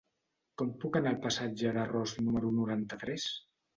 Com puc anar al passatge de Ros número noranta-tres?